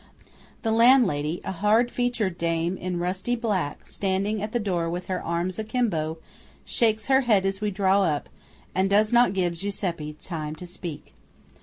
The landlady, a hard featured dame in rusty black standing at the door with her arms a kimbo, shakes her head as we draw up, and does not give Giuseppe time to speak.